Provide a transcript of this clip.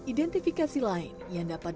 identifikasi lain yang dapat